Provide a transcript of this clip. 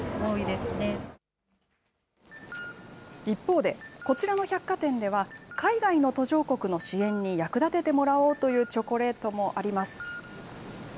一方で、こちらの百貨店では、海外の途上国の支援に役立ててもらおうというチョコレートもあります。